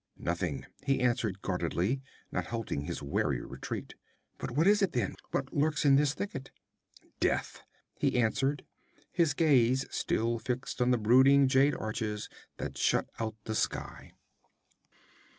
'Nothing,' he answered guardedly, not halting his wary retreat. 'But what is it, then? What lurks in this thicket?' 'Death!' he answered, his gaze still fixed on the brooding jade arches that shut out the sky.